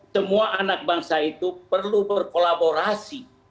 semua anak bangsa itu perlu berkolaborasi